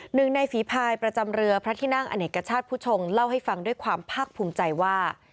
หนึ่งในฝีภายประจำเรือพระที่นั่งอเนกชาติผู้ชงเล่าให้ฟังด้วยความภาคภูมิใจว่า